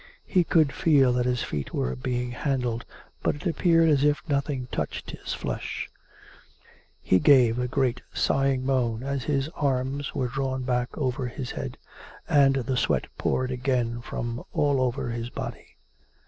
He could feel that his feet were being handled, but it appeared as if nothing touched bis flesh. He gave a great sighing moan as his 456 COME RACK! COME ROPE! arms were drawn back pver his head ; and the sweat poured again from all over his body.